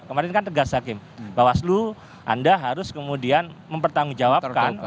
kemarin kan tegas hakim bawaslu anda harus kemudian mempertanggungjawabkan